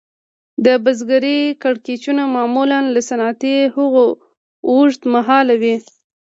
د بزګرۍ کړکېچونه معمولاً له صنعتي هغو اوږد مهاله وي